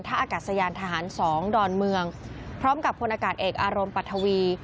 ถ้าอากาศยานทหาร๒ดอนเมืองพร้อมกับพลอากาศเอกอารมณ์ปัทวี